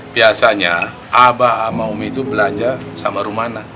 biasanya aba sama umi itu belanja sama rumana